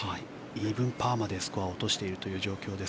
イーブンパーまでスコアを落としている状況です。